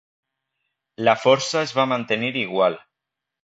La força es va mantenir igual.